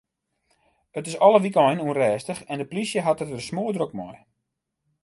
It is alle wykeinen ûnrêstich en de polysje hat it der smoardrok mei.